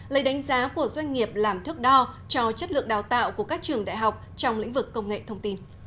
lấy đánh giá của doanh nghiệp làm thước đo cho chất lượng đào tạo của các trường đại học trong lĩnh vực công nghệ thông tin